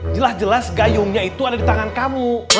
jelas jelas gayungnya itu ada di tangan kamu